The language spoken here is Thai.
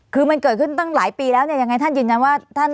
คือมันเกิดขึ้นตั้งหลายปีแล้วเนี่ยยังไงท่านยืนยันว่าท่าน